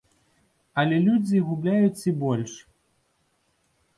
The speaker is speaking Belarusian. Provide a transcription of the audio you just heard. Але людзі губляюць і больш.